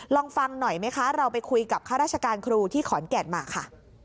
ลองฟังหน่อยไหมคะเราไปคุยกับข้าราชการครูที่ขอนแก่นมาค่ะ